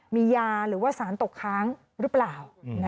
มียาหรือว่าสารตกค้างหรือเปล่า